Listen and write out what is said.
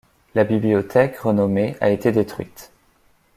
La bibliothèque, renommée, a été détruite.